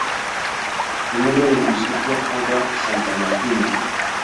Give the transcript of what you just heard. El nombre del municipio honra santa Martina.